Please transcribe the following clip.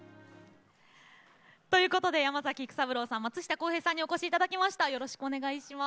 ということで山崎育三郎さん、松下洸平さんにお越しいただきました。